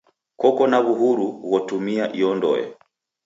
Koko na w'uhuru ghotumia iyo ndoe.